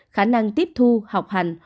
khả năng tiếp thu học hành